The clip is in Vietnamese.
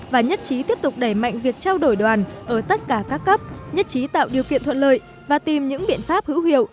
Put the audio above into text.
và nhất trí tiếp tục đẩy mạnh việc trao đổi đoàn ở tất cả các cấp nhất trí tạo điều kiện thuận lợi và tìm những biện pháp hữu hiệu